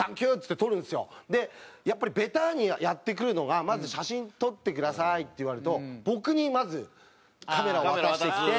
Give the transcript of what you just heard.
でやっぱりベタにやってくるのがまず「写真撮ってください」って言われると僕にまずカメラを渡してきて。